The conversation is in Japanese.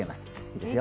いいですよ